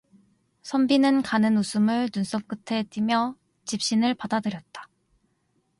선비는 가는 웃음을 눈썹 끝에 띠며 짚신을 받아 들었다.